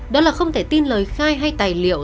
đó là không thể tin lời khai hay tài liệu